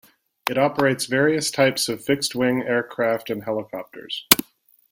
It operates various types of fixed-wing aircraft and helicopters.